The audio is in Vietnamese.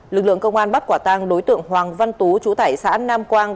lực lượng công an bắt quả tàng đối tượng hoàng văn tú chú tải xã nam quang